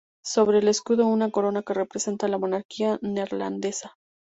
Sobre el escudo, una corona que representa la monarquía neerlandesa.